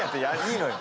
いいのよ。